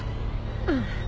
うん。